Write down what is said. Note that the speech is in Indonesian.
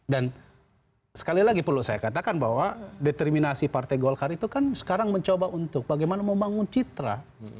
dan sekali lagi perlu saya katakan bahwa determinasi partai golkar itu kan sekarang mencoba untuk bagaimana membangun citra